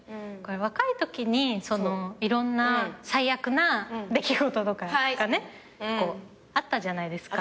若いときにいろんな最悪な出来事とかがねあったじゃないですか。